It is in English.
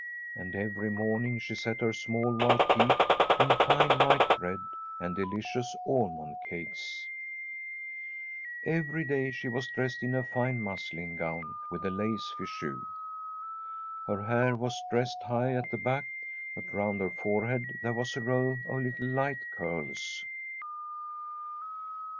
And every morning she set her small white teeth in fine white bread and delicious almond cakes; every day she was dressed in a fine muslin gown with a lace fichu. Her hair was dressed high at the back, but round her forehead there was a row of little light curls.